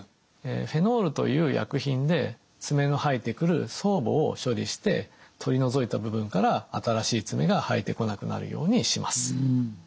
フェノールという薬品で爪の生えてくる爪母を処理して取り除いた部分から新しい爪が生えてこなくなるようにします。